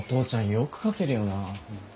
よく描けるよな。